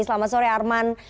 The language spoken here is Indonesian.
selamat sore arman